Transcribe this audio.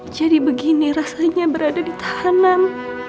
jadi begini rasanya berada di tahanan